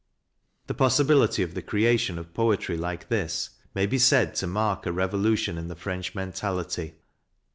The possibility of the creation of poetry like this may be said to mark a revolution in the French men tality.